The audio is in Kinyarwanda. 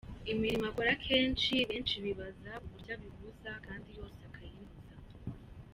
Imirimo akora kenshi benshi bibaza uburyo abihuza kandi yose akayinoza.